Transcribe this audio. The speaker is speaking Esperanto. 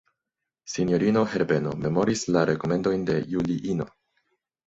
Sinjorino Herbeno memoris la rekomendojn de Juliino.